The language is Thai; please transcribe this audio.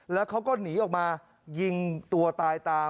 แล้วเขาก็หนีออกมายิงตัวตายตาม